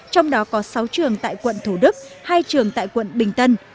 trong đó có sáu trường tại quận thủ đức hai trường tại quận bình tân